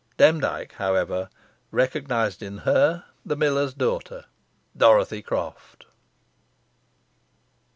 Demdike, however, recognised in her the miller's daughter, Dorothy Croft.